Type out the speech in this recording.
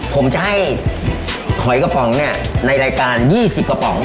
ผมจะให้หอยกระป๋องเนี่ยในรายการ๒๐กระป๋อง